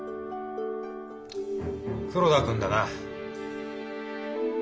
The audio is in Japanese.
黒田君だな。